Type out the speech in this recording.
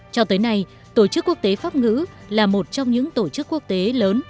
cho tới nay tổ chức quốc tế pháp ngữ là một trong những tổ chức quốc tế lớn